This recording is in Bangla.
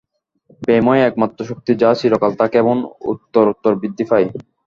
প্রেমই একমাত্র শক্তি, যা চিরকাল থাকে এবং উত্তরোত্তর বৃদ্ধি পায়।